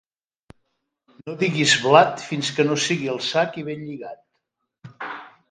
No diguis blat fins que no sigui al sac i ben lligat.